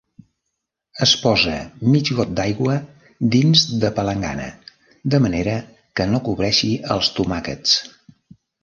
Es posa mig got d’aigua dins de palangana de manera que no cobreixi els tomàquets.